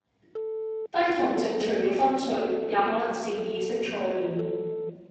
低糖症除了昏睡，也可能是意識錯亂